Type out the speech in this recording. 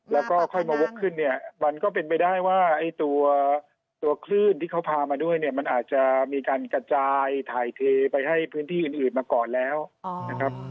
แล้วก็ค่อยมาวกขึ้นเนี่ยมันก็เป็นไปได้ว่าไอ้ตัวคลื่นที่เขาพามาด้วยเนี่ยมันอาจจะมีการกระจายถ่ายเทไปให้พื้นที่อื่นมาก่อนแล้วนะครับ